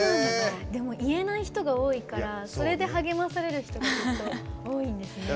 言えない人が多いからそれで励まされる人も多いんですね。